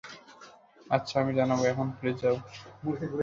আচ্ছা, আমি জানাবো, এখন, প্লিজ যাও।